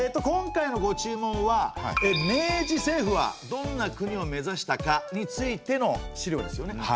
今回のご注文は「明治政府はどんな国を目指したか？」についての資料ですよね。